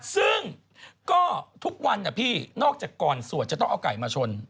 ซึ่งก็ทุกวันนะพี่นอกจากก่อนสวดจะต้องเอาไก่มาชน